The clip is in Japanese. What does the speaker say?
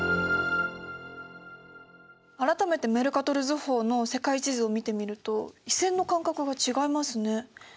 改めてメルカトル図法の世界地図を見てみると緯線の間隔が違いますね。